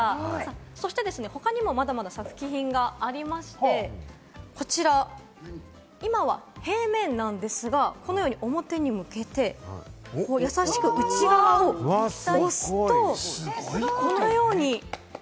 そして他にもまだまだ作品がありまして、こちら、今は平面なんですが、このように表に向けてやさしく内側をこのように。